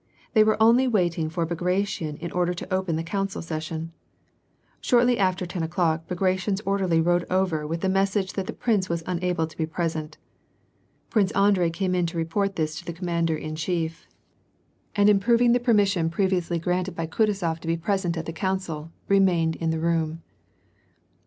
They were only wait ing for Bagration in order to open the council session. Shortly after ten o'clock, Bagration's orderly rode over with the message that the prince was unable to be present. Prince Andrei came in to report this to the commander in chief, and WAR AND PEACE. 317 impToving the permission previously granted by Kutuzof to be present at the council, remained in the room.